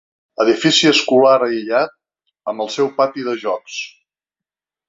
Edifici escolar aïllat, amb el seu pati de jocs.